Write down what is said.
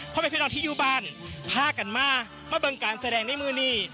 พากันมามาเบิ่งการแสดงในเมือนี้